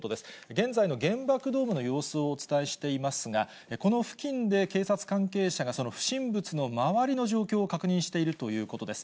現在の原爆ドームの様子をお伝えしていますが、この付近で警察関係者が、その不審物の周りの状況を確認しているということです。